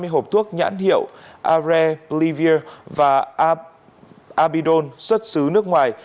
ba mươi hộp thuốc nhãn hiệu areplivir và abidol xuất xứ nước ngoài